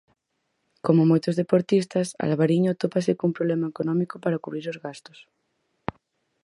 Como moitos deportistas, Alvariño atópase cun problema económico para cubrir os gastos.